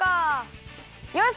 よし！